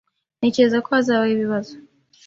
Ntekereza ko hazabaho ibibazo.